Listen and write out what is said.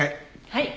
はい。